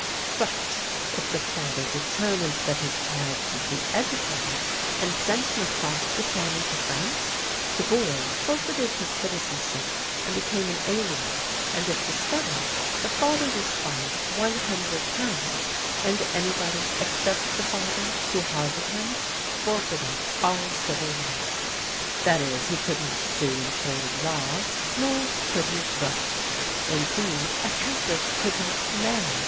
But, if the father determined that his child should be educated, and sent him across the Channel to France, the boy forfeited his citizenship and became an alien; and, if discovered, the father was fined one hundred pounds; and anybody, except the father, who harbored him, forfeited all civil rights that is, he could not sue in a court of law, nor could he vote. Indeed, a Catholic could not marry!